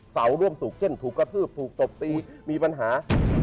เสาร่วมสุขเช่นถูกกระทืบถูกตบตีมีปัญหา